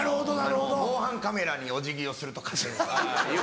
防犯カメラにお辞儀をすると勝てるとか。